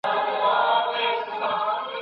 علمي پوهه باید د منطق پر اساس وي.